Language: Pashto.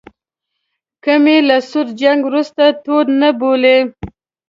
که مې له سوړ جنګ وروسته تود نه بولئ.